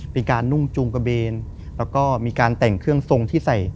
เป็นการนุ่งจูงกระเบนแล้วก็มีการแต่งเครื่องทรงที่ใส่